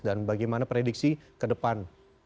dan bagaimana prediksi ke depan